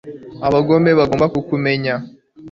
abagome bangaga kukumenya